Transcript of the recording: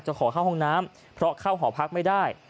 ขอเข้าห้องน้ำเพราะเข้าหอพักไม่ได้